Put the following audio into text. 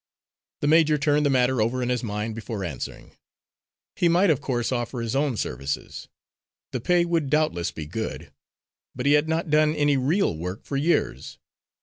The major turned the matter over in his mind before answering. He might, of course, offer his own services. The pay would doubtless be good. But he had not done any real work for years.